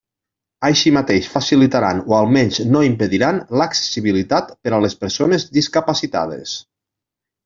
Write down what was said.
Així mateix facilitaran, o almenys no impediran, l'accessibilitat per a les persones discapacitades.